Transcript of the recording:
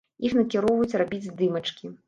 Іх накіроўваюць рабіць здымачкі.